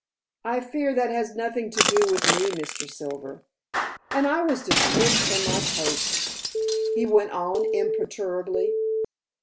"I fear that has nothing to do with me, Mr. Silver." "And I was dimissed from my post," he went on imperturbably.